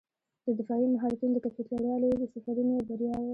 د دفاعي مهارتونو د کیفیت لوړوالی یې د سفرونو یوه بریا وه.